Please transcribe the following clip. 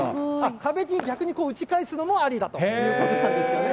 壁に逆に打ち返すのもありだということなんですよね。